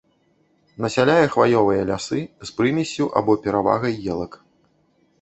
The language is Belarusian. Насяляе хваёвыя лясы з прымессю або перавагай елак.